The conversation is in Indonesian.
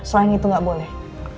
selain itu gak boleh